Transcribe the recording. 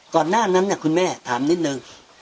ก่อนหน้านั้นคุณแม่ถามนิดนึง